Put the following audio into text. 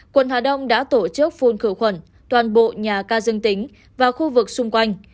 quận hà đông đã tổ chức phun khử khuẩn toàn bộ nhà ca dương tính và khu vực xung quanh